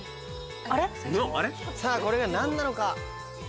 さぁこれが何なのか？